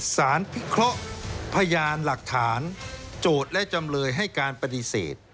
สารพิเคราะห์พยานหลักฐานโจทย์และจำเลยให้การปฏิเสธ